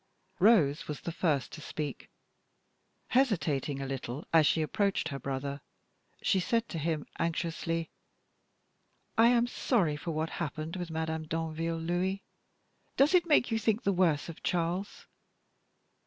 Rose was the first to speak. Hesitating a little as she approached her brother, she said to him, anxiously: "I am sorry for what happened with Madame Danville, Louis. Does it make you think the worse of Charles?"